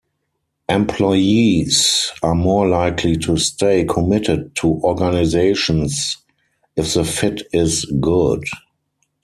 Employees are more likely to stay committed to organizations if the fit is 'good'.